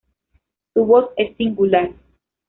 Su voz es singular.